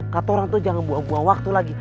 kak torang tuh jangan bawa gue waktu lagi